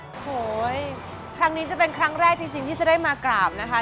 โอ้โหครั้งนี้จะเป็นครั้งแรกจริงที่จะได้มากราบนะคะ